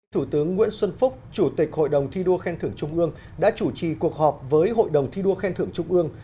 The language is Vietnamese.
thủ tướng nguyễn xuân phúc chủ tịch hội đồng thi đua khen thưởng trung ương đã chủ trì cuộc họp với hội đồng thi đua khen thưởng trung ương